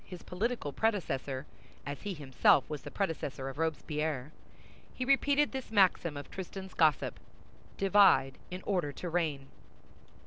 his political predecessor, as he himself was the predecessor of Robespierre, he repeated this maxim of Tristan's gossip: "Divide in order to reign."